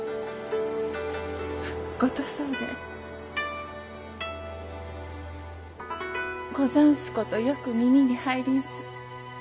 まっことそうでござんすことよく耳に入りんす。